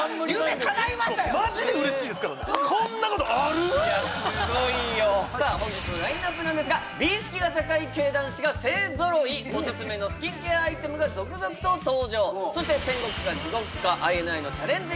マジで嬉しいですからねいやすごいよさあ本日のラインナップなんですが美意識が高い系男子が勢ぞろいおすすめのスキンケアアイテムが続々と登場そして天国か地獄かＩＮＩのチャレンジ